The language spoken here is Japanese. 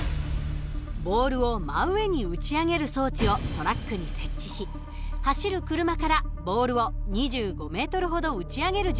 ボールを真上に打ち上げる装置をトラックに設置し走る車からボールを２５ｍほど打ち上げる実験をしました。